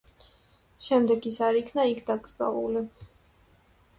შემდეგ ის არ იქნა იქ დაკრძალული.